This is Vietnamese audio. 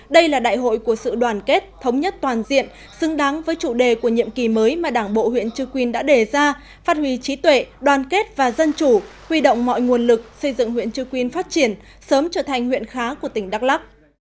đây là đại hội của sự đoàn kết thống nhất toàn diện xứng đáng với chủ đề của nhiệm kỳ mới mà đảng bộ huyện trư quyên đã đề ra phát huy trí tuệ đoàn kết và dân chủ huy động mọi nguồn lực xây dựng huyện trư quyên phát triển sớm trở thành huyện khá của tỉnh đắk lắc